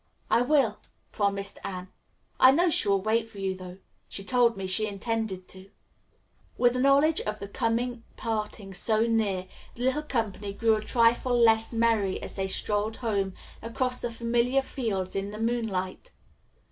"I will," promised Anne. "I know she will wait for you, though. She told me she intended to." With knowledge of the coming parting so near, the little company grew a trifle less merry as they strolled home across the familiar fields in the moonlight.